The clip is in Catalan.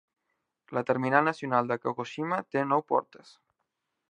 La terminal nacional de Kagoshima té nou portes.